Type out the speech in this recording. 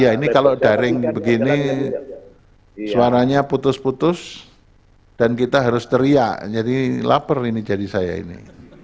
ya ini kalau daring begini suaranya putus putus dan kita harus teriak jadi lapar ini jadi saya ini